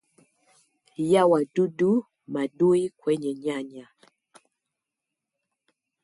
ya wadudu maadui kwenye nyanya,